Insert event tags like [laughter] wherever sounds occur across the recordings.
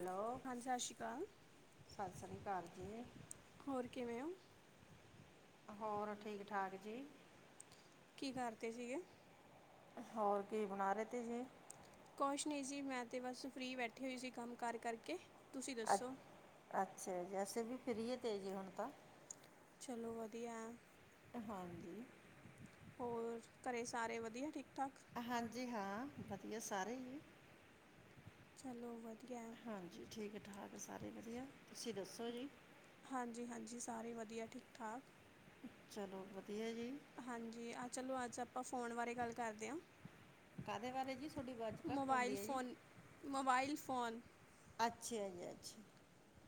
Hello ਹਾਂਜੀ ਸਤਿ ਸ਼੍ਰੀ ਅਕਾਲ ਸਤਿ ਸ੍ਰੀ ਅਕਾਲ ਜੀ ਹੋਰ ਕਿਵੇਂ ਹੋ ਹੋਰ ਠੀਕ ਠਾਕ ਜੀ ਕੀ ਕਰਦੇ ਸੀਗੇ ਹੋਰ ਕੀ ਬਣਾ ਰਹੇ ਤੇ ਜੀ ਕੁਛ ਨਹੀਂ ਜੀ ਮੈਂ ਤਾਂ ਬਸ ਫਰੀ ਬੈਠੀ ਹੋਈ ਸੀ ਕੰਮ ਕਰ ਕਰਕੇ ਤੁਸੀਂ ਅ ਦੱਸੋ ਅੱਛਾ ਜੈਸੇ ਵੀ ਫਰੀਏ 'ਤੇ ਜੀ ਹੁਣ ਤਾਂ ਚਲੋ ਵਧੀਆ ਹਾਂਜੀ ਹੋਰ ਘਰੇ ਸਾਰੇ ਵਧੀਆ ਠੀਕ ਠਾਕ ਹਾਂਜੀ ਹਾਂ ਵਧੀਆ ਸਾਰੇ ਜੀ। ਚਲੋ ਵਧੀਆ। ਹਾਂਜੀ ਠੀਕ ਠਾਕ ਸਾਰੇ ਵਧੀਆ ਤੁਸੀਂ ਦੱਸੋ ਜੀ। ਹਾਂਜੀ ਹਾਂਜੀ ਸਾਰੇ ਵਧੀਆ ਠੀਕ ਠਾਕ। ਚਲੋ ਵਧੀਆ ਜੀ। ਹਾਂਜੀ, ਆਹ ਚਲੋ ਅੱਜ ਆਪਾਂ ਫੋਨ ਬਾਰੇ ਗੱਲ ਕਰਦੇ ਆਂ। ਕਾਹਦੇ ਬਾਰੇ ਜੀ? ਤੁਹਾਡੀ ਆਵਾਜ਼ ਘੱਟ ਮੋਬਾਈਲ ਆਉਂਦੀ ਹੈ ਜੀ ਫੋਨ, ਮੋਬਾਈਲ ਫੋਨ। ਅੱਛਾ ਜੀ, ਅੱਛਾ।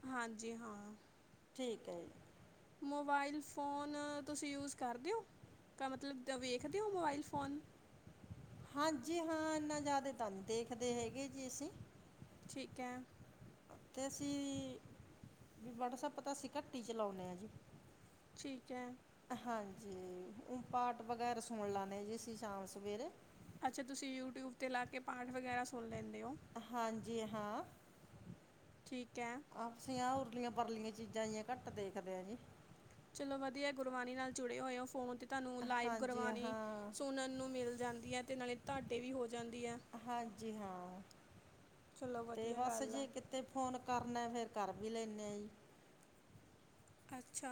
ਹਾਂਜੀ। ਠੀਕ ਹੈ ਜੀ। ਮੋਬਾਇਲ ਫੋਨ ਤੁਸੀਂ ਯੂਜ਼ ਕਰਦੇ ਹੋਂ? ਕ ਮਤਲਬ ਵੇਖਦੇ ਹੋ ਮੋਬਾਇਲ ਫੋਨ? ਹਾਂਜੀ, ਹਾਂ, ਇੰਨਾ ਜ਼ਿਆਦੇ ਤਾਂ ਨਹੀਂ ਦੇਖਦੇ ਹੈਗੇ ਜੀ, ਅਸੀਂ। ਠੀਕ ਐ। ਤੇ ਅਸੀਂ ਵੀ, ਵੌਟਸਅਪ ਤਾਂ ਅਸੀਂ ਘੱਟ ਹੀ ਚਲਾਉਂਨੇ ਆਂ ਜੀ। ਠੀਕ ਹੈ। ਹਾਂਜੀ। ਉਂ ਪਾਠ ਵਗੈਰਾ ਸੁਣ ਲਾਨੇ ਹਾਂ ਜੀ, ਅਸੀਂ ਸ਼ਾਮ-ਸਵੇਰੇ। ਅੱਛਾ, ਤੁਸੀਂ ਯੂਟਿਊਬ 'ਤੇ ਲਾਕੇ ਪਾਠ ਵਗੈਰਾ ਸੁਣ ਲੈਂਨੇ ਓ? ਹਾਂਜੀ, ਹਾਂ। ਠੀਕ ਹੈ। ਆਪਸੀਆਂ, ਉਰਲੀਆਂ-ਪਰਲੀਆਂ ਚੀਜ਼ਾਂ ਜੀਆਂ ਘੱਟ ਦੇਖਦੇ ਆਂ, ਜੀ। ਚਲੋ ਵਧੀਆ, ਗੁਰਬਾਣੀ ਨਾਲ ਜੁੜੇ ਹੋਏ ਹੋ ਫੋਨ ਤੇ ਤੁਹਾਨੂੰ ਲਾਈਵ ਹਾਂਜੀ ਗੁਰਬਾਣੀ ਹਾਂ ਸੁਣਨ ਨੂੰ ਮਿਲ ਜਾਂਦੀ ਐ, ਤੇ ਨਾਲੇ ਤਹਾਡੇ ਵੀ ਹੋ ਜਾਂਦੀ ਐ। ਹਾਂਜੀ-ਹਾਂ। ਚਲੋ, ਵਧੀਆ ਗੱਲ ਆ। ਤੇ ਫੋਨ ਕਰਨਾ, ਫਿਰ ਕਰ ਵੀ ਲੈਂਨੇ ਆ, ਜੀ। ਅੱਛਾ।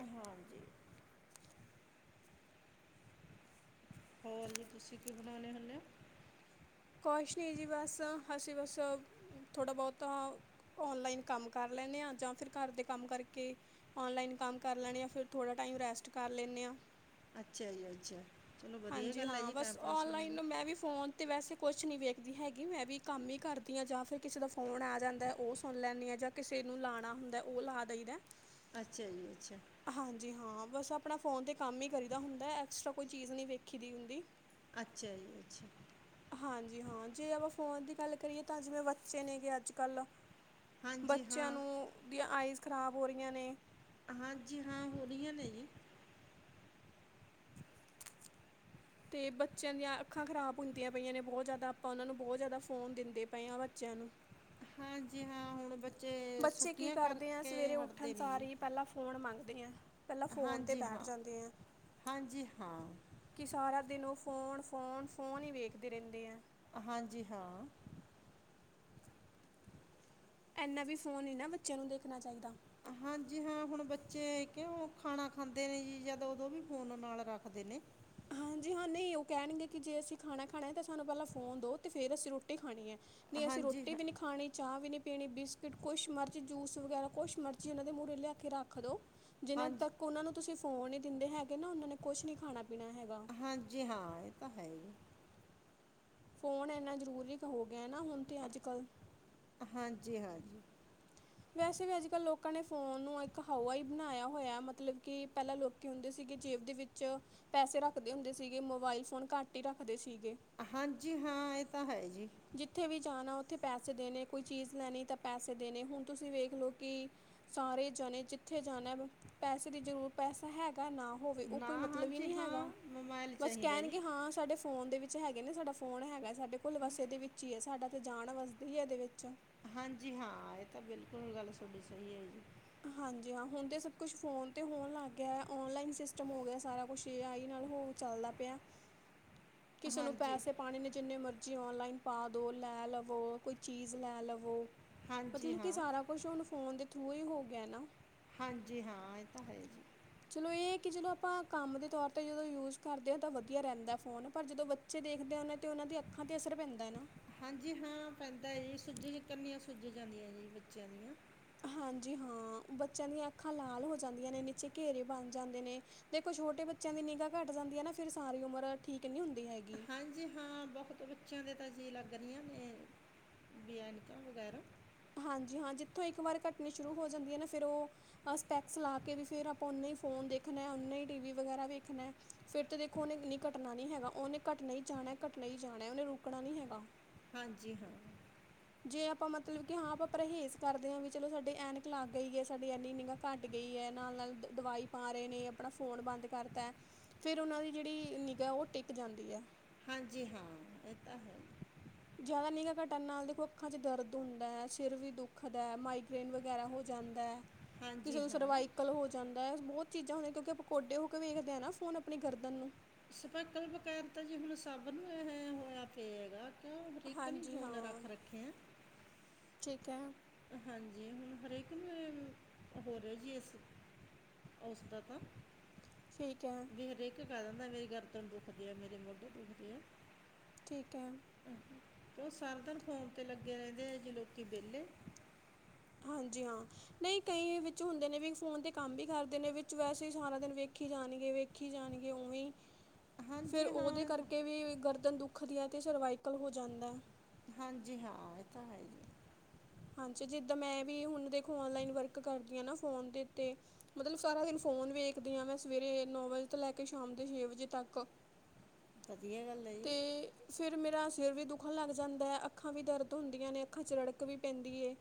ਹਾਂਜੀ‌। ਹੋਰ ਜੀ, ਤੁਸੀਂ ਕੀ ਬਣਾਉਨੇ ਹੁੰਨੇ ਓਂ? ਕੁਸ਼ ਨਹੀਂ ਜੀ ਬਸ, ਅਸੀ ਬਸ, ਥੋੜਾ-ਬਹੁਤਾ ਔਨਲਾਈਨ ਕੰਮ ਕਰ ਲੈਂਨੇ ਆਂ, ਜਾਂ ਫਿਰ ਘਰਦੇ ਕੰਮ ਕਰਕੇ ਔਨਲਾਈਨ ਕੰਮ ਕਰ ਲੈਣੇ ਆ, ਫਿਰ ਥੋੜਾ ਟਾਈਮ ਰੈਸਟ ਕਰ ਲੈਨੇ ਆਂ। ਅੱਛਾ ਜੀ ਅੱਛਾ ਚਲੋ ਵਧੀਆ ਹਾਂਜੀ, ਗੱਲ ਹੈ ਹਾਂ, ਜੀ ਟਾਈਮ ਬਸ ਪਾਸ ਹੋ ਔਨਲਾਈਨ ਜਾਂਦਾ ਨੂੰ, ਮੈਂ ਵੀ ਫੋਨ ਤੇ, ਵੈਸੇ ਕੁਛ ਨਹੀਂ ਵੇਖਦੀ ਹੈਗੀ, ''ਮੈਂ ਵੀ ਕੰਮ ਹੀ ਕਰਦੀ ਹਾਂ, ਜਾਂ ਫਿਰ ਕਿਸੇ ਦਾ ਫੋਨ ਆ ਜਾਂਦਾ ਉਹ ਸੁਣ ਲੈਂਨੀ ਆਂ, ਜਾਂ ਕਿਸੇ ਨੂੰ ਲਾਣਾ ਹੁੰਦਾ, ਉਹ ਲਾ ਦਈਦਾ, ਤੇ ਅੱਛਾ ਜੀ, ਅੱਛਾ। ਹਾਂਜੀ-ਹਾਂ, ਬਸ ਆਪਣਾ ਫ਼ੋਨ 'ਤੇ ਕੰਮ ਹੀ ਕਰੀਦਾ ਹੁੰਦਾ, ਐਕਸਟਰਾ ਕੋਈ ਚੀਜ਼ ਨਹੀਂ ਵੇਖੀਦੀ ਹੁੰਦੀ। ਅੱਛਾ ਜੀ, ਅੱਛਾ। ਹਾਂਜੀ, ਹਾਂ, ਜੇ ਆਪਾਂ ਫੋਨ ਦੀ ਗੱਲ ਕਰੀਏ ਤਾਂ ਜਿਵੇਂ ਬੱਚੇ ਨੇਂਗੇ ਅੱਜ-ਕੱਲ ਹਾਂਜੀ ਬੱਚਿਆਂ ਹਾਂ ਨੂੰ, ਓਦੀਆਂ ਆਈਜ਼ ਖ਼ਰਾਬ ਹੋ ਰਹੀਆਂ ਨੇ। ਹਾਂਜੀ ਹਾਂ ਹੋ ਰੀਆਂ ਨੇ ਜੀ। ਤੇ ਬੱਚਿਆਂ ਦੀਆਂ ਅੱਖਾਂ ਖ਼ਰਾਬ ਹੁੰਦੀਆਂ ਪਈਆਂ ਨੇ ਬੋਤ ਜਾਦਾ ਆਪਾਂ ਓਨਾਂ ਨੂੰ ਬੋਤ ਜਾਦਾ ਫ਼ੋਨ ਦੇਂਦੇ ਪਏ ਆਂ ਬੱਚਿਆਂ ਨੂੰ। ਹਾਂਜੀ ਹਾਂ, ਹੁਣ ਬੱਚੇ ਕੀ ਸੂਟੀਆਂ ਕਰਦੇ ਆ ਕਰਕੇ ਸਵੇਰੇ ਹਟਦੇ ਉੱਠਣ ਨੀ ਸਾਰ ਜੀ। ਹੀ ਪਹਿਲਾਂ ਫ਼ੋਨ ਮੰਗਦੇ ਐ, ਪਹਿਲਾਂ ਫੋਨ ਤੇ ਹਾਂਜੀ ਬੈਠ ਹਾਂ ਜਾਂਦੇ ਐ। ਹਾਂਜੀ ਹਾਂ। ਕਿ ਸਾਰਾ ਦਿਨ ਓ ਫੋਨ, ਫੋਨ, ਫੋਨ ਈ ਵੇਖਦੇ ਰਹਿੰਦੇ ਐ। ਹਾਂਜੀ ਹਾਂ। ਇੰਹਨਾ ਵੀ ਫ਼ੋਨ ਨਹੀਂ ਨਾ ਬੱਚਿਆਂ ਨੂੰ ਦੇਖਣਾ ਚਾਹੀਦਾ। ਹਾਂਜੀ-ਹਾਂ, ਹੁਣ ਬੱਚੇ ਕਿ ਖਾਣਾ ਖਾਂਦੇ ਨੇ ਜੀ, ਜਦ ਉਦੋਂ ਵੀ ਫੋਨ ਨਾਲ ਰੱਖਦੇ ਨੇ। ਹਾਂਜੀ, ਹਾਂ। ਹਾਂ, ਨਹੀਂ ਉਹ ਕਹਿਣਗੇ ਕਿ ਜੇ ਅਸੀਂ ਖਾਣਾ, ਖਾਣਾ ਤਾਂ ਸਾਨੂੰ ਪਹਿਲਾਂ ਫੋਨ ਦੋ, ਤੇ ਫੇਰ ਅਸੀਂ ਰੋਟੀ ਖਾਣੀ ਹੈ। ਨਹੀਂ ਅਸੀਂ ਹਾਂਜੀ ਰੋਟੀ ਹਾਂ ਵੀ ਨਹੀਂ ਖਾਣੀ, ਚਾਹ ਵੀ ਨਹੀਂ ਪੀਣੀ, ਬਿਸਕੁਟ ਕੁਛ ਮਰਜ਼ੀ ਜੂਸ ਵਗੈਰਾ ਕੁਛ ਮਰਜ਼ੀ ਇਹਨਾਂ ਦੇ ਮੂਹਰੇ ਲਿਆਕੇ ਰੱਖਦੋ, ਜਿਨਾਂ ਹਾਂਜੀ ਤੱਕ ਉਹਨਾਂ ਨੂੰ ਤੁਸੀਂ ਫੋਨ ਹੀ ਦਿੰਦੇ ਹੈਗੇ ਨਾ, ਉਹਨਾਂ ਨੇ ਕੁਛ ਨੀ ਖਾਣਾ-ਪੀਣਾ ਹੈਗਾ। ਹਾਂਜੀ-ਹਾਂ, ਇਹ ਤਾ ਹੈਹੀ। ਫੋਨ ਇੰਹਣਾ ਜ਼ਰੂਰੀ ਹੋਗਿਆ ਨਾ, ਹੁਣ ਤੇ ਅੱਜ-ਕੱਲ। ਹਾਂਜੀ-ਹਾਂਜੀ। ਵੈਸੇ ਵੀ ਅੱਜ-ਕੱਲ ਲੋਕਾਂ ਨੇ ਫ਼ੋਨ ਨੂੰ ਇੱਕ ਹਾਵਾ ਹੀ ਬਣਾਇਆ ਹੋਇਆ ਮਤਲਬ ਕਿ, ਪਹਿਲਾਂ ਲੋਕ ਹੁੰਦੇ ਸੀਗੇ ਜੇਬ ਦੇ ਵਿੱਚ, ਪੈਸੇ ਰੱਖਦੇ ਹੁੰਦੇ ਸੀਗੇ। ਮੋਬਾਇਲ ਫੋਨ ਘੱਟ ਹੀ ਰੱਖਦੇ ਸੀਗੇ। ਹਾਂਜੀ, ਹਾ, ਇਹ ਤਾਂ ਹੈ ਜੀ। ਜਿੱਥੇ ਵੀ ਜਾਣਾ ਉੱਥੇ ਪੈਸੇ ਦੇਣੇ, ਕੋਈ ਚੀਜ਼ ਲੈਣੀ ਤਾਂ ਪੈਸੇ ਦੇਣੇ, ਹੁਣ ਤੁਸੀਂ ਵੇਖਲੋ ਕਿ ਸਾਰੇ ਜਾਣੇ, ਜਿੱਥੇ ਜਾਣਾ ਪੈਸੇ ਦੀ ਜਰੂਰ, ਪੈਸਾ ਹੈਗਾ ਨਾ। ਹੋਵੇ ਉਹ ਕੋਈ ਨਾ ਮਤਲਬ ਹੀ ਹਾਂਜੀ ਨਹੀ ਹਾਂ ਹੈਗਾ ਮੋਬਾਇਲ ਬਸ ਚਾਹੀਦਾ ਜੀ ਕੈਣਗੇ ਹਾਂ ਸਾਡੇ ਫੋਨ ਦੇ ਵਿੱਚ ਹੈਗੇ ਨੇ, ਸਾਡਾ ਫੋਨ ਹੈਗਾ। ਸਾਡੇ ਕੋਲ ਬਸ ਏਦੇ ਵਿੱਚ ਈ ਐ, ਸਾਡਾ ਤੇ ਜਾਣ ਵਸਦੀ ਐ ਏਦੇ ਵਿੱਚ। ਹਾਂਜੀ ਹਾਂ ਇਹ ਤਾਂ ਬਿਲਕੁਲ ਗੱਲ ਥੋਡੀ ਸਹੀ ਹੈ ਜੀ ਹਾਂਜੀ ਹਾਂ ਹੁਣ ਤੇ ਸਭ ਕੁਛ ਫੋਨ ਤੇ ਹੋਣ ਲੱਗ ਗਿਆ ਹੈ ਔਨਲਾਈਨ ਸਿਸਟਮ ਹੋ ਗਿਆ ਸਾਰਾ ਕੁਛ ਏ ਆਈ ਨਾਲ ਹੋ ਚੱਲਦਾ ਪਿਆ, ਕਿਸੇ ਨੂੰ ਹਾਂਜੀ ਪੈਸੇ ਪਾਣੇ ਨੇ ਜਿੰਨੇ ਮਰਜ਼ੀ ਓਨਲਾਈਨ ਪਾ ਦੋ, ਲੈ ਲਵੋ ਕੋਈ ਚੀਜ਼ ਲੈ ਲਵੋ। ਹਾਂਜੀ ਮਤਲਬ ਕੀ ਹਾਂ ਸਾਰਾ ਕੁਛ ਹੁਨ ਫੋਨ ਦੇ ਥਰੂ ਹੀ ਹੋ ਗਿਆ ਨਾ। ਹਾਂਜੀ ਹਾਂ ਇਹ ਤਾਂ ਹੈ ਜੀ ਚਲੋ ਇਹ ਹੈ ਕਿ ਜਦੋਂ ਆਪਾਂ ਕੰਮ ਦੇ ਤੌਰ 'ਤੇ ਜਦੋਂ ਯੂਜ਼ ਕਰਦੇ ਹਾਂ ਤਾਂ ਵਧੀਆ ਰੈਂਦਾ ਫੋਨ ਪਰ ਜਦੋਂ ਬੱਚਾ ਬੱਚੇ ਦੇਖਦੇ ਓਨਾਂ ਤੇ ਓਨਾਂ ਦੀ ਅੱਖਾਂ ਤੇ ਅਸਰ ਪੈਂਦਾ ਐ ਨਾ। ਹਾਂਜੀ ਹਾਂ ਪੈਂਦਾ ਐ ਜੀ, ਸੁੱਜੇ ਕਨੀਆਂ ਸੁੱਜ ਜਾਂਦੀਆਂ ਜੀ ਬੱਚਿਆਂ ਦੀਆਂ। ਹਾਂਜੀ ਹਾਂ, ਬੱਚਿਆਂ ਦੀਆਂ ਅੱਖਾਂ ਲਾਲ ਹੋ ਜਾਂਦੀਆਂ ਨੇ, ਨੀਚੇ ਘੇਰੇ ਬਨ ਜਾਂਦੇ ਨੇ। ਦੇਖੋ ਛੋਟੇ ਬੱਚਿਆਂ ਦੀ ਨਿਗਾਹ ਘੱਟ ਜਾਂਦੀ ਐ ਨਾ ਫਿਰ ਸਾਰੀ ਉਮਰ ਠੀਕ ਨੀ ਹੁੰਦੀ ਹੈਗੀ। ਹਾਂਜੀ ਹਾਂ ਬਹੁਤ ਬੱਚਿਆਂ ਦੇ ਤਾਂ ਜੀਅ ਲੱਗ ਰਹੀਆਂ ਨੇ ਵਿ ਐਨਕਾਂ ਵਗੈਰਾ ਹਾਂਜੀ ਹਾਂ ਜਿੱਥੋਂ ਇੱਕ ਵਾਰ ਘਟਨੀ ਸ਼ੁਰੂ ਹੋ ਜਾਂਦੀ ਐ ਨਾ ਫਿਰ ਓ ਹਾਂ ਸਪੈਕਸ ਲਾ ਕੇ ਵੀ ਫਿਰ ਓਨੇ ਈ ਫੋਨ ਦੇਖਨਾ ਐ, ਓਨੇ ਈ ਟੀਵੀ ਵਗਰਾ ਵੇਖਨਾ ਐ। ਫਿਰ ਤਤੇ ਦੇਖੋ ਓਨੇ ਨੀ ਘਟਣਾ ਨੀ ਹੈਗਾ, ਓਨੇ ਘੱਟਨੇ ਈ ਜਾਣਾ, ਘੱਟਣੇ ਈ ਜਾਣਾ, ਓਨੇ ਰੁਕਣਾ ਨੀ ਹੈਗਾ। ਹਾਂਜੀ ਹਾਂ। ਜੇ ਆਪਾਂ ਮਤਲਬ ਕਿ ਹਾਂ ਆਪਾਂ ਪਰਹੇਜ਼ ਕਰਦੇ ਆਂ ਵੀ ਚਲੋ ਸਾਡੀ ਐਨਕ ਲੱਗ ਗਈ ਏ ਸਾਡੀ ਏਨੀ ਨਿਗਾ ਘੱਟ ਗਈ ਐ, ਨਾਲ-ਨਾਲ ਦਵਾਈ ਪਾ ਰਹੇ ਨੇ, ਆਪਣਾ ਫੋਨ ਬੰਦ ਕਰਤਾ ਐ। ਫੇਿਰ ਉਨਾਂ ਦੀ ਜਿੜੀ ਨਿਗਾਾ ਉਹ ਟਿੱਕ ਜਾਂਦੀ ਆ ਹਾਂਜੀ ਹਾਂ ਏ ਤਾਂ ਹੈ ਈ। ਜਾਦਾ ਨਿਗਾ ਘਟਣ ਨਾਲ ਦੇਖੋ ਅੱਖਾਂ 'ਚ ਦਰਦ ਹੁੰਦਾ ਸਿਰ ਵੀ ਦੁੱਖਦਾ ਮਾਈਗਰੇੇਨ ਵਗੈਰਾ ਹੋ ਜਾਂਦਾ। ਕਿਸੇ ਹਾਂਜੀ ਨੂੰ ਹਾਂ ਸਰਵਾਈਕਲ ਅੱਜ-ਕੱਲ ਹੋ ਜਾਂਦਾ, ਅੱਜ ਬੋਤ ਚੀਜ਼ਾਂ ਨੇ ਕਿਉਂਕਿ ਆਪਾਂ ਕੋਡੇ ਹੋ ਕੇ ਵੇਖਦੇ ਆ ਨਾ ਫੋਨ ਅਪਨੀ ਗਰਦਨ ਨੂੰ। ਸਪੈਕਲ ਬਗੈਰ ਤਾਂ ਜੀ ਹੁਣ ਸਭ ਨੂੰ ਹੋਇਆ ਪਏ ਹੈਗਾ। ਕਿਯੋੰ ਹਰੇਕ ਨੇ ਹਾਂਜੀ ਫੋਨ ਹਾਂ ਰੱਖ ਰੱਖੇ ਐ। ਠੀਕ ਐ। ਹਾਂਜੀ ਹੁਣ ਹਰੇਕ ਨੂੰ ਐ ਹੋ ਰਿਹਾ ਜੀ ਇਸ ਐਸ ਦਾ ਤਾ ਠੀਕ ਐ। ਵੀ ਹਰੇਕ ਕਰ ਦਿੰਦਾ ਮੇਰੀ ਗਰਦ ਨੂੰ ਦੁਖਦੀ ਐ, ਮੇਰੇ ਮੋਢੇ ਦੁਖਦੇ ਐ। ਠੀਕ ਐ। ਓ ਸਾਰੇ ਦਿਨ ਫੋਨ ਤੇ ਲੱਗੇ ਰਹਿੰਦੇ, ਐਓ ਜੇ ਲੋਕੀ ਵੇਲੇ ਹਾਂਜੀ ਹਾਂ ਨਹੀਂ ਕਈ ਵਿੱਚ ਹੁੰਦੇ ਨੇ ਵੀ ਫੋਨ ਤੇ ਕੰਮ ਵੀ ਕਰਦੇ ਨੇ ਵਿੱਚ ਵੈਸੇ ਸਾਰਾ ਦਿਨ ਵੇਖੀ ਜਾਣਗੇ ਵੇਖ ਵੇਖੀ ਜਾਣਗੇ ਓਵੇਂ ਈ ਹਾਂਜੀ ਫਿਰ ਹਾਂ ਓਦੇ ਇਹ ਤਾਂ ਕਰਕੇ ਵੀ ਗਰਦਨ ਦੁੱਖ ਦੀ ਐ ਤੇ ਸਰਵਾਈਕਲ ਹੋ ਜਾਂਦਾ। ਹਾਂਜੀ ਹਾਂ ਇਹ ਤਾਂ ਹੈ ਜੀ। ਹਾਂਜੀ ਜਿੱਦਾਂ ਮੈਂ ਵੀ ਹੁਨ ਦੇਖੋ ਔਨਲਾਈਨ ਵਰਕ ਕਰਦੀ ਆਂ ਨਾ ਫੋਨ ਤੇ ਤੇ ਮਤਲਬ ਸਾਰਾ ਦਿਨ ਫੋਨ ਵੇਖਦੀ ਆਂ ਮੈਂ ਸਵੇਰੇ ਨੌ ਵਜੇ ਤੋਂ ਲੈ ਕੇ ਸ਼ਾਮ ਦੇ ਛੇ ਵਜੇ ਤੱਕ। ਵਧੀਆ ਗੱਲ ਹੈ ਤੇ ਜੀ ਫਿਰ ਮੇਰਾ ਸਿਰ ਵੀ ਦੁਖਣ ਲੱਗ ਜਾਂਦਾ ਐ, ਅੱਖਾਂ ਵੀ ਦਰਦ ਹੁੰਦੀਆਂ ਨੇ, ਅੱਖਾਂ ਚ ਰੜਕ ਵੀ ਪੈਂਦੀ ਏ।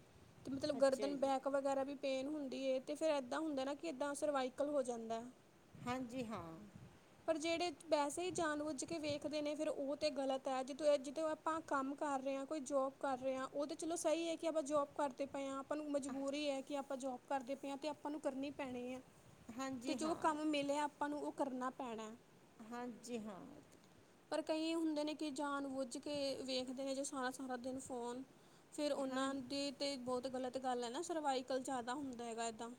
ਤੇ ਮਤਲਬ ਅੱਛਾ ਗਰਦਨ ਜੀ ਬੈਕ ਵ ਵਗੈਰਾ ਵੀ ਪੇਨ ਹੁੰਦੀ ਏ ਤੇ ਫੇਰ ਏਦਾਂ ਹੁੰਦਾ ਨਾ ਕਿ ਏਦਾਂ ਸਰਵਾਈਕਲ ਹੋ ਜਾਂਦਾ। ਹਾਂਜੀ ਹਾਂ। ਪਰ ਜੇੜੇ ਵੈਸੇ ਹੀ ਜਾਨ ਵੁਜ ਕੇ ਵੇਖਦੇ ਨੇ ਫਿਰ ਓ ਤੇ ਗ਼ਲਤ ਹੈ ਜਦੋਂ ਜਿਦੋਂ ਆਪਾਂ ਕੰਮ ਕਰ ਰਹੇ ਆਂ, ਕੋਈ ਜੋਬ ਕਰ ਰਿਹਾ ਆਂ, ਓ ਤਾਂ ਚਲੋ ਸਹੀ ਹੈ ਕਿ ਆਪਾਂ ਜੋਬ ਕਰਦੇ ਪਏ ਆਂ। ਆਪਾਂ ਨੂੰ ਅਹ ਮਜਬੂਰੀ ਹੈ ਕਿ ਆਪਾਂ ਜੋਬ ਕਰਦੇ ਪਏ ਆਂ ਤੇ ਆਪਾਂ ਨੂੰ ਕਰਨੀ ਪੈਣੀ ਐ। ਤੇ ਹਾਂਜੀ ਜੋ ਹਾਂ ਕੰਮ ਮਿਲਿਆ ਆਪਾਂ ਨੂੰ ਓ ਕਰਨਾ ਪੈਣਾ ਐ। ਹਾਂਜੀ ਹਾਂ। ਪਰ ਕਈ ਹੁੰਦੇ ਨੇ ਕਿ ਜਾਨ ਬੁੱਝ ਕੇ ਵੇਖਦੇ ਨੇ ਜੇ ਸਾਰਾ ਸਾਰਾ ਦਿਨ ਫੋਨ ਫਿਰ ਤਾਂ- ਹਾਂ ਉਹਨਾਂ ਦੀ ਤੇ ਬੋਤ ਗਲਤ ਗੱਲ ਐ ਨਾ ਸਰਵਾਈਕਲ ਜ਼ਿਆਦਾ ਹੁੰਦਾ ਹੈਗਾ ਇੱਦਾਂ।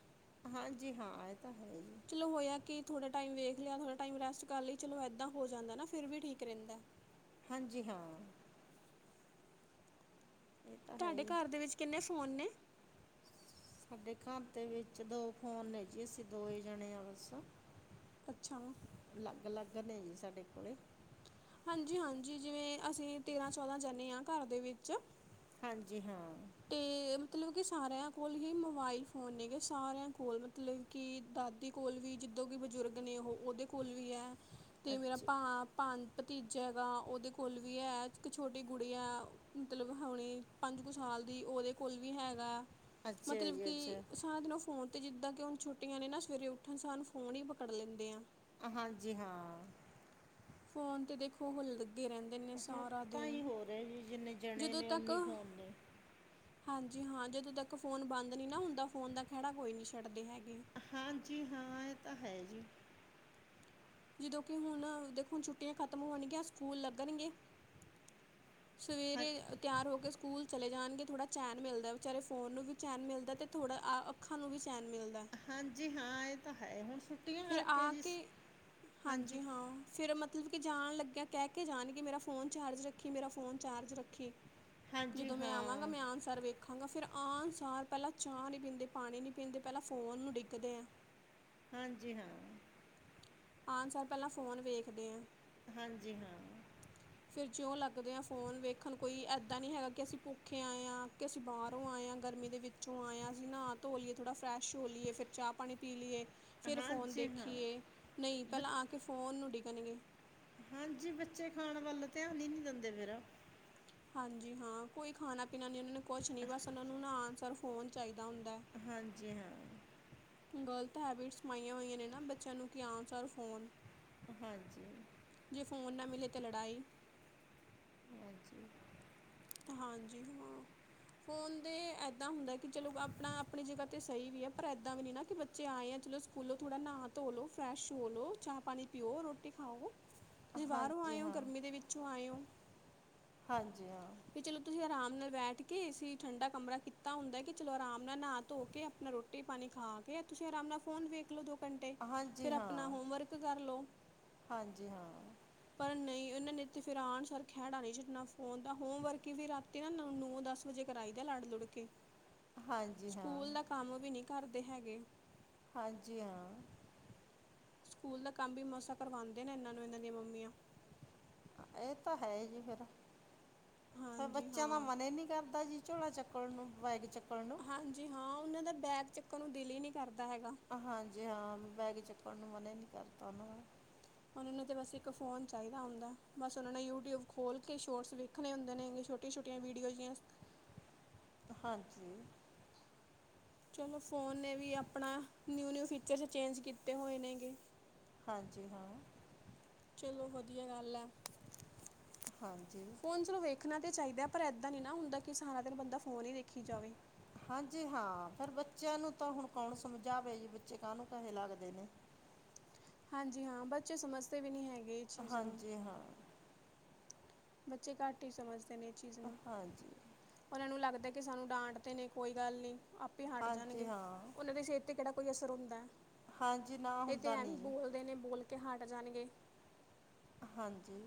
ਹਾਂਜੀ ਹਾਂ, ਐ ਤਾਂ ਹੈ ਈ ਏ। ਚਲੋ ਹੋਇਆ ਕਿ ਥੋੜਾ ਟਾਈਮ ਵੇਖ ਲਿਆ, ਥੋੜਾ ਟਾਈਮ ਰੈਸਟ ਕਰ ਲਈ, ਚਲੋ ਏਦਾਂ ਹੋ ਜਾਂਦਾ ਨਾ ਫਿਰ ਵੀ ਠੀਕ ਰਹਿੰਦਾ। ਹਾਂਜੀ ਹਾਂ। ਇਹ ਤਾਂ ਹੈ ਤੁਹਾਡੇ ਜੀ ਘਰ ਦੇ ਵਿੱਚ ਕਿੰਨੇ ਫੋਨ ਨੇ? ਸਾਡੇ ਘਰ ਦੇ ਵਿੱਚ ਦੋ ਫ਼ੋਨ ਨੇ ਜੀ ਅਸੀਂ ਦੋਵੇ ਜਣੇ ਆਂ ਬਸ। ਅੱਛਾ। ਅਲੱਗ-ਅਲੱਗ ਨੇ ਜੀ ਸਾਡੇ ਕੋਲੇ। ਹਾਂਜੀ-ਹਾਂਜੀ, ਜਿਵੇਂ ਅਸੀਂ ਵੀ ਤੇਰਾਂ-ਚੌਦਾਂਜਣੇ ਆਂ ਘਰ ਦੇ ਵਿੱਚ। ਹਾਂਜੀ ਹਾਂ। ਤੇ ਮਤਲਬ ਕਿ ਸਾਰਿਆਂ ਕੋਲ ਈ ਮੋਬਾਈਲ ਫ਼ੋਨ ਨੇਗੇ, ਸਾਰਿਆਂ ਕੋਲ ਮਤਲਬ ਕਿ ਦਾਦ ਕੋਲ ਵੀ ਜਿੱਦੋਂ ਵੀ ਬਜ਼ੁਰਗ ਨੇ ਉਹ ਓਦੇ ਕੋਲ ਵੀ ਐ ਤੇ ਮੇਰਾ ਅੱਛਾ ਭਾ ਭਾਨ ਭਤੀਜਾ ਹੈਗਾ ਓਦੇ ਕੋਲ ਵੀ ਐ, ਇੱਕ ਛੋਟੀ ਗੁਡੀਆਂ ਮਤਲਬ ਹੋਣੀ ਪੰਜ ਕੁ ਸਾਲ ਦੀ ਓਦੇ ਕੋਲ ਵੀ ਹੈਗਾ ਅੱਛਾ ਮਤਲਬ ਜੀ ਕਿ ਅੱਛਾ ਸਾਰਾ ਦਿਨ ਫੋਨ ਤੇ ਜਿੱਦਾਂ ਕਿ ਹੁਣ ਛੁਟੀਆਂ ਨੇ ਨਾ ਸਵੇਰੇ ਉੱਠਣ ਸਾਹ ਫੋਨ ਹੀ ਪਕੜ ਲੈਂਦੇ ਆ। ਹਾਂਜੀ ਹਾਂ। ਫੋਨ ਤੇ ਦੇਖੋ ਓ ਲੱਗੇ ਰਹਿੰ ਨੇ ਹੁਣ ਸਾਰਾ ਤਾਂ ਦਿਨ, ਹੀ ਹੋ ਰਿਹਾ ਜੀ ਜਿੰਨੇ ਜਣੇ ਜਦੋਂ ਨੇ ਤੱਕ ਉਨੇ ਫੋਨ ਨੇ ਹਾਂਜੀ ਹਾਂ, ਜਦੋਂ ਤੱਕ ਫ਼ੋਨ ਬੰਦ ਨੀ ਨਾ ਹੁੰਦਾ, ਫ਼ੋਨ ਦਾ ਖੈੜਾ ਕੋਈ ਨੀ ਛੱਡਦੇ ਹੈਗੇ। ਹਾਂਜੀ ਹਾਂ, ਐ ਤਾਂ ਹੈ ਜੀ। ਜਦੋਂ ਕਿ ਹੁਣ ਦੇਖੋ ਹੁਣ ਛੁੱਟੀਆਂ ਖਤਮ ਹੋਣਗੀਆਂ ਸਕੂਲ ਲੱਗਣਗੇ। ਹਾਂ ਸਵੇਰੇ ਤਿਆਰ ਹੋ ਕੇ ਸਕੂਲ ਚਲੇ ਜਾਣਗੇ, ਥੋੜ੍ਹਾ ਚੈਨ ਮਿਲਦਾ ਵਿਚਾਰੇ ਫੋਨ ਨੂੰ ਵੀ ਚੈਨ ਮਿਲਦਾ ਅਤੇ ਥੋੜ੍ਹਾ ਆ ਅੱਖਾਂ ਨੂੰ ਵੀ ਚੈਨ ਮਿਲਦਾ। ਹਾਂਜੀ ਹਾਂ, ਐ ਤਾਂ ਹੈ ਹੁਣ ਸ ਫਿਰ ਆ ਕੇ, ਹਾਂਜੀ ਹਾਂ ਫੇਰ ਮਤਲਬ ਕਿ ਜਾਣ ਲੱਗਿਆ ਕਹਿ ਕੇ ਜਾਣਗੇ, ਮੇਰਾ ਫੋਨ ਚਾਰਜ ਰੱਖੀ, ਮੇਰਾ ਫੋਨ ਚਾਰਜ ਰੱਖੀ। ਹਾਂਜੀ ਜਦੋਂ ਮੈਂ ਆਵਾਂਗਾ ਹਾਂ ਮੈਂ ਆਣ ਸਰ ਵੇਖਾਂਗਾ ਫਿਰ ਆਨਸਾਰ ਪਹਿਲਾਂ ਚਾਹ ਨਹੀਂ ਪੀਂਦੇ, ਪਾਣੀ ਨਹੀਂ ਪੀਂਦੇ, ਪਹਿਲਾਂ ਫੋਨ ਨੂੰ ਡਿੱਗਦੇ ਐ। ਹਾਂਜੀ ਹਾਂ। ਆਨ ਸਾਰ ਪਹਿਲਾਂ ਫੋਨ ਵੇਖਦੇ ਐ। ਹਾਂਜੀ ਹਾਂ। ਫਿਰ, ਜਿਉਂ ਲੱਗਦੇ ਹਾਂ ਫੋਨ ਵੇਖਣ, ਕੋਈ ਇੱਦਾਂ ਨਹੀਂ ਹੈਗਾ ਕਿ, ਅਸੀਂ ਭੁੱਖੇ ਆਏ ਹਾਂ, ਕਿ ਅਸੀਂ ਬਾਹਰੋਂ ਆਏ ਹਾਂ, ਗਰਮੀ ਦੇ ਵਿੱਚ ਚੋਂ ਆਏ ਅਸੀਂ ਨਾਹਾ ਧੋ ਲਈਏ, ਥੋੜ੍ਹਾ ਫਰੈਸ਼ ਹੋ ਲਈਏ, ਫਿਰ ਚਾਹ ਪਾਣੀ ਪੀ ਲਈਏ। ਫੇਿਰ ਫੋਨ ਹਾਂਜੀ ਹਾਂ ਦੇਖੀਏ, ਨਹੀਂ ਬ ਪਹਿਲਾਂ ਆ ਕੇ, ਫੋਨ ਨੂੰ ਡਿੱਗਣਗੇ। ਹਾਂਜੀ, ਬੱਚੇ ਖਾਣ ਵੱਲ ਧਿਆਨ ਹੀ, ਨਹੀਂ ਦਿੰਦੇ ਫੇਿਰ। ਹਾਂਜੀ, ਹਾਂ ਕੋਈ ਖਾਣਾ- ਪੀਣਾ ਨੀ ਉਹਨਾਂ ਨੂੰ ਕੁਛ ਨਈ, ਬਸ ਉਹਨਾ ਨੂੰ ਨਾ ਆਣ ਸਾਰ ਫੋਨ, ਚਾਹੀਦਾ ਹੁੰਦਾ ਏ। ਹਾਂਜੀ ਹਾਂ। ਗਲਤ, ਹੈਬਿਟਸ ਪਾਈਆਂ ਹੋਈਆਂ ਨੇ ਨਾ ਬੱਚਿਆਂ ਨੂੰ, ਕਿ ਹਾਂ ਸਰ ਫੋਨ ਹਾਂਜੀ। ਜੇ ਫੋਨ, ਨਾ ਮਿਲੇ ਤਾਂ, ਲੜਾਈ ਹਾਂਜੀ। ਹਾਂਜੀ, ਹੋ ਫੋਨ ਦੇ ਇਏਦਾਂ ਹੁੰਦਾ ਕਿ, ਚਲੋ ਆਪਣਾ -ਆਪਣੀ ਜਗ੍ਹਾ ਤੇ ਸਹੀ ਵੀ ਹੈ, ਪਰ ਏਦਾਂ ਵੀ ਨ ਨਾ ਕਿ ਬੱਚੇ ਆਏ, ਆ ਚਲੋ ਖੂਲੋ ਥੋੜਾ, ਨਾਹਾ -ਧੋ ਲੋ, ਫਰੈਸ਼ ਹੋਲ ਲੋ ਚਾਹ ਪਾਣੀ ਪੀਓ, ਰੋਟੀ ਖਾਓ ਤੁਸੀਂ, ਬਾਹਰੋਂ ਹਾਂਜੀ ਆਏ ਹੋ, ਹਾਂ ਗਰਮੀ ਦੇ ਵਿੱਚੋਂ ਆਏ ਹੋ? ਹਾਂਜੀ ਹਾਂ। ਵੀ ਚਲੋ ਤੁਸੀਂ ਆਰਾਮ ਨਾਲ ਬੈਠ ਕੇ ਅਸੀਂ ਠੰਡਾ ਕਮਰਾ ਕੀਤਾ ਹੁੰਦਾ ਕਿ, ਚਲੋ ਆਰਾਮ ਨਾਲ ਨਹਾ ਧੋ ਕੇ, ਆਪਣਾ ਰੋਟੀ ਰੋਟੀ ਪਾਣੀ ਖਾ ਕੇ, ਤੁਸੀਂ ਆਰਾਮ ਨਾਲ ਫੋਨ ਵੇਖ ਲੋ ਦੋ ਹਾਂਜੀ ਫਿਰ ਹਾਂ ਆਪਣਾ, ਹੋਮ ਵਰਕ ਕਰਲੋ ਹਾਂਜੀ ਹਾਂ ਪਰ ਨਈ, ਇਹਨਾਂ ਨੇ ਤੇ ਫਿਰ ਆਣ, ਖਹਿੜਾ ਨਹੀਂ ਛੱਡਣਾ ਫੋਨ ਹੋਮ ਵਰਕ, ਵੀ ਰਾਤੀ ਨਾ, ਨੂੰ ਨੌ ਦਸ ਵਜੇ ਕਰਾਈ ਦਾ, ਲੜ ਲੁੜ ਕੇ ਹਾਂਜੀ ਹਾਂ ਸਕੂਲ ਦਾ, ਕੰਮ ਵੀ ਨਹੀਂੀ ਕਰਦੇ ਹੈਗੇ। ਹਾਂਜੀ, ਹਾਂ। ਸਕੂਲ ਦਾ ਕੰਮ ਵੀ, ਮਸਾ ਕਰਵਾਉਂਦੇ ਨੇ ਇਹਨਾਂ ਨੂੰ, ਇਹਨਾਂ ਦੀਆਂ ਮੰਮੀਆਂ ਇਹ ਤਾਂ ਹੈ ਜੀ ਫੇਿਰ, ਫਿਰ ਹਾਂਜੀ ਬੱਚਿਆਂ ਦਾ ਹਾਂ ਮਨ ਹੀ ਨੀ ਕਰਦਾ ਜੀ, ਝੋਲਾ ਚੱਕ ਚਕ ਨੂੰ ਬਗੀ ਚੱਕਲ ਨੂੰ [inaudible] ਹਾਂਜੀ, ਹਾਂ ਉਹਨਾਂ ਦਾ ਬੈਗ, ਚੱਕਣ ਨੂੰ ਦਿਲ ਹੀ ਨਹੀਂੀ ਕਰਦਾ ਹੈਗਾ ਹਾਂਜੀ, ਹਾਂ ਬੈਗ ਚੁੱਕਣ ਨੂੰ ਮਨ ਹੀ ਨਹੀਂ, ਕਰਤਾ ਉਹਨਾਂ ਉਹ ਨੂੰ ਤੇ, ਬਸ ਇੱਕ ਫੋਨ ਚਾਹੀਦਾ ਹੁੰਦਾ, ਬਸ ਉਹਨਾਂ ਨੇ ਯੂਟਿਊਬ ਖੋਲ ਕੇ ਸ਼ੋਰਟਸ ਵੇਖ ਵੇਖਣੇ ਹੁੰਦੇ ਨੇ ਛੋਟੀਆ-ਛੋਟੀਆਂ ਵੀਡੀਓ ਜਿ ਹਾਂਜੀ। ਚਲੋ, ਫੋਨ ਨੇ ਵੀ ਆਪਣਾ, ਨਿਊ -ਨਿਊ ਫੀਚਰਸ ਚੇਂਜ ਕੀਤੇ ਹੋਏ ਨੇਗੇ ਹਾਂਜੀ, ਹਾਂ। ਚਲੋ, ਵਧੀਆ ਗੱਲ ਆ। ਹਾਂਜੀ। ਫੋਨ, ਵੇਖਣਾ ਤਾਂ ਚਾਹੀਦਾ ਹੈ, ਪਰ ਇਏਦਾਂ ਨ ਨਾ ਹੁੰਦਾ ਕਿ ਸਾਰਾ ਦਿਨ, ਬੰਦਾ ਫੋਨ ਹੀ ਦੇਖੀ ਜਾਵੇ ਹਾਂਜੀ, ਹਾਂ ਫਿਰ ਬੱਚਿਆਂ ਨੂੰ ਤਾਂ ਹੁਣ ਕੌਣ, ਸਮਝਾਵੇ ਜੀ ਬੱਚੇ ਕਾਹ ਨੂੰ ਕਹੇ ਲੱਗਦੇ ਨੇ, ਹਾਂਜੀ, ਹਾਂ ਬੱਚੇ ਸਮਝਦੇ ਵੀ ਨਹੀਂ, ਹੈਗੇ ਇਸ ਚੀਜ਼ ਨੂੰ ਹਾਂਜੀ ਹਾਂ ਬੱਚੇ, ਘੱਟ ਹੀ ਸਮਝਦੇ ਨੇ ਇਹ, ਚੀਜ਼ ਨੂੰ ਹਾਂਜੀ ਉਹਨਾਂ ਨੂੰ, ਲੱਗਦਾ ਕਿ ਸਾਨੂੰ ਡਾਂਟਦੇ ਨਈ, ਕੋਈ ਗੱਲ ਨਹੀਂ। ਹਟ ਹਾਂਜੀ ਜਾਣਗੇ, ਹਾਂ ਉਹਨਾਂ ਦੀ ਸਿਹਤ ਤੇ ਕਿਹੜਾ ਕੋਈ ਅਸਰ, ਹੁੰਦਾ। ਹਾਂਜੀ ਨਾ ਇਹ ਤੇ ਹੁੰਦਾ ਨਹੀਂ ਐਵੇਂ, ਜੀ ਬੋਲਦੇ ਨੇ ਬੋਲ ਕੇ ਹਟ ਜਾਣਗੇ। ਹਾਂਜੀ।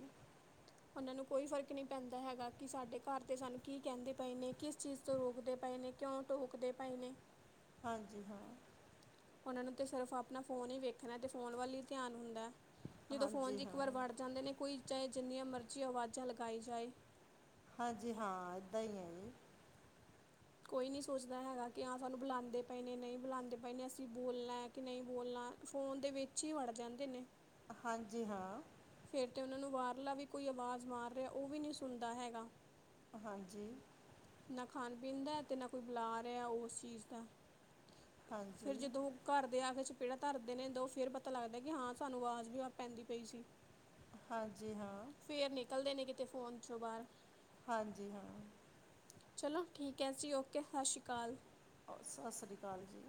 ਉਹਨਾਂ ਨੂੰ, ਕੋਈ ਫ਼ਰਕ ਨਹੀਂ ਪੈਂਦਾ ਹੈਗਾ, ਕਿ ਸਾਡੇ ਘਰ ਤੇ ਸਾਨੂੰ ਕੀ ਕਹਿੰਦੇ, ਪਏ ਨੇ ਕਿਸ ਚੀਜ਼ ਤੋਂ ਰੋਕਦੇ ਪਏ ਨੇ ਕਿਉਂ, ਟੋਕਦੇ ਪਏ ਨੇ ਹਾਂਜੀ ਹਾਂ। ਉਹਨਾਂ ਨੂੰ ਤਾਂ ਸਿਰਫ਼, ਆਪਣਾ ਫੋਨ ਹੀ ਵੇਖਣਾ ਅਤੇ ਫ਼ੋਨ ਵੱਲ ਹੀ ਧਿਆਨ ਹੁੰਦਾ ਜਦੋਂ ਫੋਨ ਚ, ਹਾਂਜੀ ਇੱਕ ਹਾਂ ਵਾਰ ਵੜ ਜਾਂਦੇ ਨੇ, ਕੋਈ ਚਾਹੇ ਜਿੰਨੀਆਂ ਮਰਜ਼ੀ ਆਵਾਜ਼ਾਂ ਲਗਾਈ ਜਾਏ। ਹਾਂਜੀ, ਹਾਂ ਇੱਦਾਂ ਹੀ ਹੈ ਜੀ। ਕੋਈ ਨਹੀਂ, ਸੋਚਦਾ ਹੈਗਾ ਕਿ ਹਾਂ ਸਾਨੂੰ ਬੁਲਾਉਂਦੇ ਪਏ ਨੇ, ਨਹੀਂ ਬੁਲਾਉਂਦੇ ਪਏ ਨੇ ਅਸੀਂ ਬੋਲਣਾ ਕਿ ਨਹੀਂ ਬੋਲਣਾ, ਫੋਨ ਦੇ ਵਿੱਚ ਹੀ ਵੜ ਜਾਂਦੇ ਨੇ। ਹਾਂਜੀ ਹਾਂ ਫਿਰ ਤਾਂ ਉਹਨਾਂ ਨੂੰ ਬਾਹਰ ਲਾ ਵੀ ਕੋਈ ਆਵਾਜ਼ ਮਾਰ ਰਿਹਾ ਉਹ ਵੀ ਨਹੀਂ ਸੁਣਦਾ ਹੈਗਾ ਹਾਂਜੀ ਨਾ ਖਾਣ ਪੀਣ ਦਾ ਤੇ ਨਾ ਕੋਈ ਬੁਲਾ ਰਿਹਾ ਉਸ ਚੀਜ਼ ਦਾ ਹਾਂਜੀ ਫਿਰ ਜਦੋਂ ਘਰ ਦੇ ਆ ਕੇ ਚ ਪੀੜਾ ਧਰਦੇ ਨੇ ਦੋ ਫਿਰ ਪਤਾ ਲੱਗਦਾ ਕਿ ਹਾਂ ਸਾਨੂੰ ਆਵਾਜ਼ ਵੀ ਪੈਂਦੀ ਪਈ ਸੀ। ਹਾਂਜੀ ਹਾਂ ਫਿਰ ਨਿਕਲਦੇ ਨੇ ਕਿਤੇ ਫੋਨ ਚੋਂ ਬਾਹਰ ਹਾਂਜੀ ਹਾਂ ਚਲੋ ਠੀਕ ਹੈ ਜੀ ਓਕੇ ਸਤਿ ਸ਼੍ਰੀ ਅਕਾਲ ਸਤਿ ਸ਼੍ਰੀ ਅਕਾਲ ਜੀ